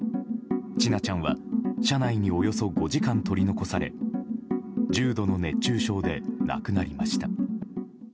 千奈ちゃんは車内におよそ５時間取り残され重度の熱中症で亡くなりました。